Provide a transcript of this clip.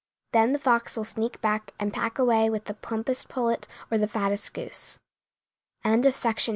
Then the fox will sneak back and pack away with the plumpest pullet or the fattest goose. AMONG ANIMALS.